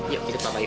yuk kita papa yuk